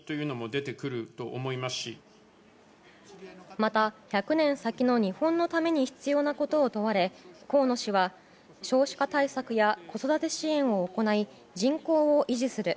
また、１００年先の日本のために必要なことを問われ河野氏は、少子化対策や子育て支援を行い人口を維持する。